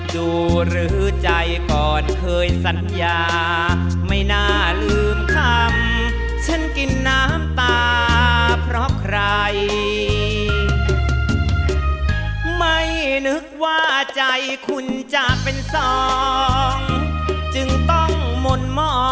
อยากได้ข้ามไปเลย